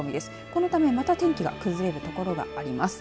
このためまた天気が崩れる所があります。